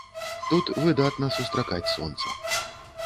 Тут выдатна сустракаць сонца.